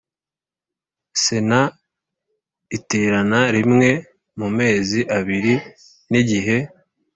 Sena iterana rimwe mu mezi abiri n igihe